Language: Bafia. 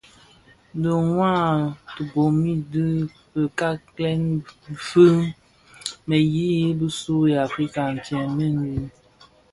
Dhi ňwad tibomis bi fikalèn fi bë yiyis bisu u Afrika ntsem mbiň.